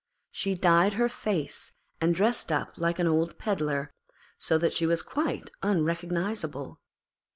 She dyed her face and dressed up like an old Pedlar, so that she was quite unrecognisable.